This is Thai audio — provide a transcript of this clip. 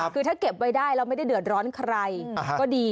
คือถ้าเก็บไว้ได้แล้วไม่ได้เดือดร้อนใครก็ดี